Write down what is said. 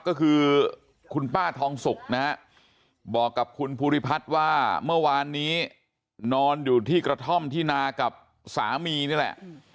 ก็คือคุณป้าทองสุกนะฮะบอกกับคุณภูริพัฒน์ว่าเมื่อวานนี้นอนอยู่ที่กระท่อมที่นากับสามีนี่แหละ